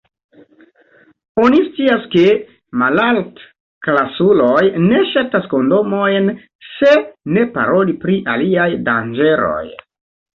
Oni scias, ke malaltklasuloj ne ŝatas kondomojn, se ne paroli pri aliaj danĝeroj.